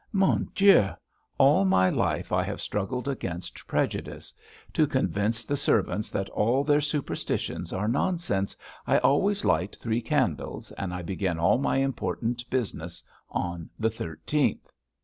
Mon Dieu! All my life I have struggled against prejudice. To convince the servants that all their superstitions are nonsense I always light three candles, and I begin all my important business on the thirteenth."